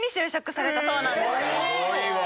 すごいわ！